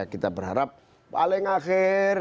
kita berharap paling akhir